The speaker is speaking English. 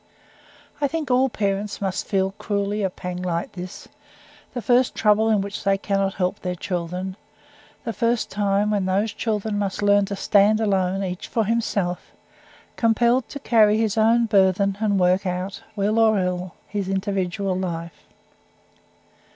I think all parents must feel cruelly a pang like this the first trouble in which they cannot help their children the first time when those children must learn to stand alone, each for himself, compelled to carry his own burthen and work out, well or ill, his individual life.